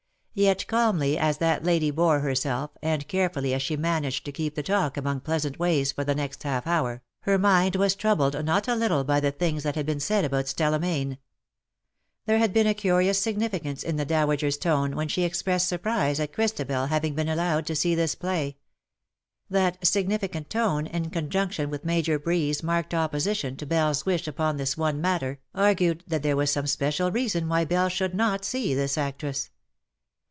Yet calmly as that lady bore herself, and carefully as she managed to keep the talk among pleasant ways for the next half hour, her mind was troubled not a little by the things that had been said about Stella Mayne. There had been a curious significance in the dowager's tone when she expressed surprise at Christabel having been allowed to see this play. That significant tone, in conjunction with Major Breed's marked opposition to Beliefs wish upon this one matter^ argued that there was some special reason why Belle should not sec this actress.